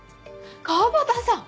川端さん。